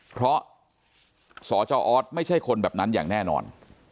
เพราะสจออสไม่ใช่คนแบบนั้นอย่างแน่นอน